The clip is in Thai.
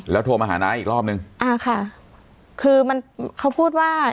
โทรมาหาน้าอีกรอบนึงอ่าค่ะคือมันเขาพูดว่า